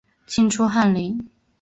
清初翰林。